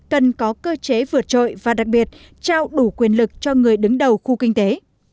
cần có cơ chế vượt trội và đặc biệt trao đủ quyền lực cho người đứng đầu khu kinh tế